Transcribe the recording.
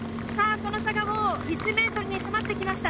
その差がもう１ｍに迫ってきました。